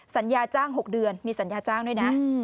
สัญญาจ้าง๖เดือนมีสัญญาจ้างด้วยนะ